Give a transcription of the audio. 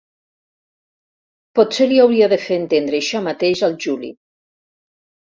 Potser li hauria de fer entendre això mateix al Juli.